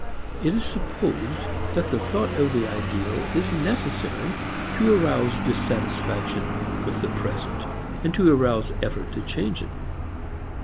It is supposed that the thought of the ideal is necessary to arouse dissatisfaction with the present and to arouse effort to change it.